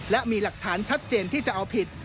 และมีหลักฐานชัดเจนที่จะเอาผิด